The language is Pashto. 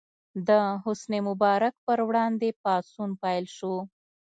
د حسن مبارک پر وړاندې پاڅون پیل شو.